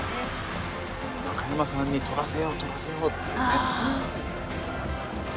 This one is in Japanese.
中山さんに取らせよう取らせようっていうね。